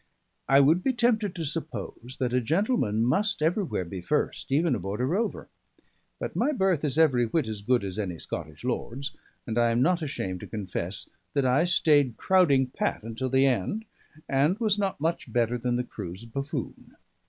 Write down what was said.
I would be tempted to suppose that a gentleman must everywhere be first, even aboard a rover; but my birth is every whit as good as any Scottish lord's, and I am not ashamed to confess that I stayed Crowding Pat until the end, and was not much better than the crew's buffoon.